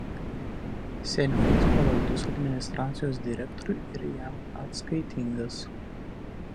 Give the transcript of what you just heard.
Seniūnas pavaldus administracijos direktoriui ir jam atskaitingas.